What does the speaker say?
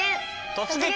「突撃！